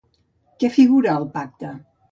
Què figura al pacte?